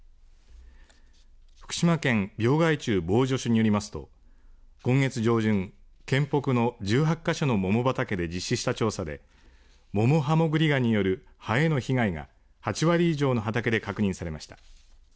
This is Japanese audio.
福島県病害虫防除所によりますと今月上旬、県北の１８箇所の桃畑で実施した調査でモモハモグリガによる葉への被害が８割以上の畑で確認されました。